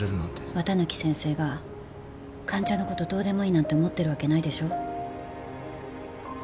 綿貫先生が患者のことどうでもいいなんて思ってるわけないでしょ。